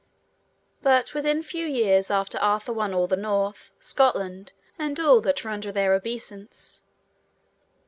But within few years after Arthur won all the north, Scotland, and all that were under their obeissance.